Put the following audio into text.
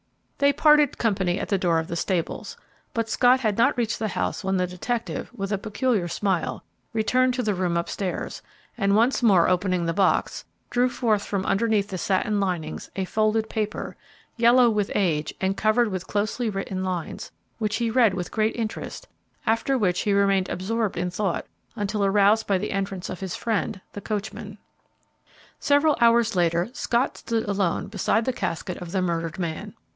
They parted company at the door of the stables, but Scott had not reached the house when the detective, with a peculiar smile, returned to the room up stairs, and once more opening the box, drew forth from underneath the satin linings a folded paper, yellow with age and covered with closely written lines; which he read with great interest, after which he remained absorbed in thought until aroused by the entrance of his friend, the coachman. Several hours later Scott stood alone beside the casket of the murdered man.